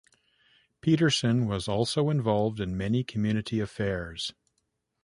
Petersen was also involved in many community affairs.